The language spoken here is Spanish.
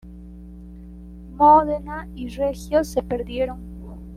Módena y Reggio se perdieron.